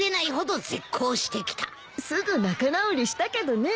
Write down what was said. すぐ仲直りしたけどね。